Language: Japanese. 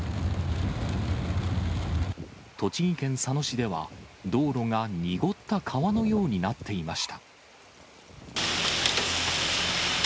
栃木県佐野市では、道路が濁った川のようになっていました。